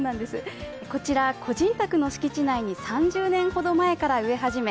こちら個人宅の敷地内に３０年ほど前から植え始め